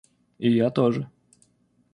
И я тоже.